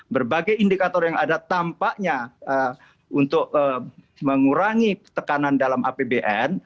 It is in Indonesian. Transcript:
berbagai indikator yang ada tampaknya untuk mengurangi tekanan dalam apbn